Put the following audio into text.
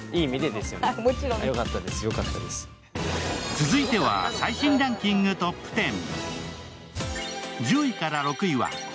続いては最新ランキングトップ１０。